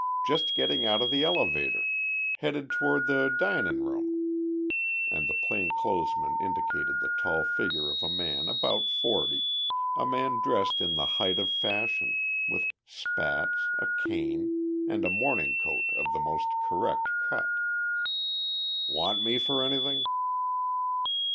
Just getting out of the elevator headed toward the dinin' room," and the plain clothes man indicated the tall figure of a man about forty, a man dressed in the height of fashion, with spats, a cane, and a morning coat of the most correct cut. "Want me for anything?"